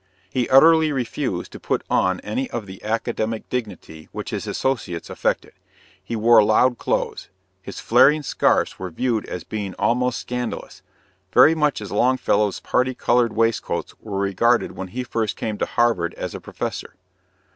He utterly refused to put on any of the academic dignity which his associates affected. He wore loud clothes. His flaring scarfs were viewed as being almost scandalous, very much as Longfellow's parti colored waistcoats were regarded when he first came to Harvard as a professor.